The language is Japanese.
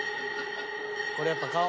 これやっぱ顔。